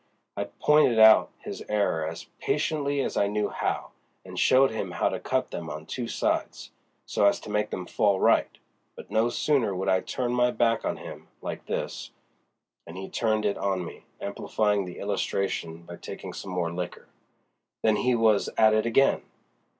I pointed out his error as patiently as I knew how, and showed him how to cut them on two sides, so as to make them fall right; but no sooner would I turn my back on him, like this"—and he turned it on me, amplifying the illustration by taking some more liquor—"than he was at it again.